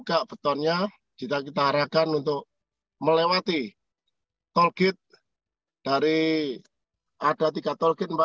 kita harapkan untuk melewati toll gate dari ada tiga toll gate